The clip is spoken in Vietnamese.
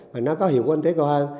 và nó có hiệu quả tế cơ hơn